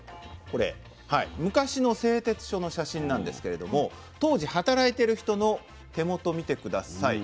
これ昔の製鉄所の写真なんですけれども当時働いてる人の手元見て下さい。